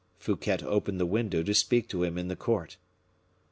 Fouquet opened the window to speak to him in the court.